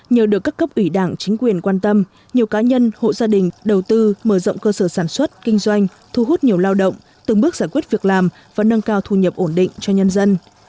nhờ được các cấp ủy đảng chính quyền quan tâm nhiều cá nhân hộ gia đình đầu tư mở rộng cơ sở sản xuất kinh doanh thu hút nhiều lao động từng bước giải quyết việc làm và nâng cao thu nhập ổn định cho nhân dân